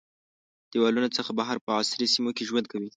د دیوالونو څخه بهر په عصري سیمو کې ژوند کوي.